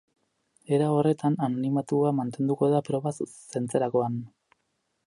Era horretan, anonimatua mantenduko da proba zuzentzerakoan.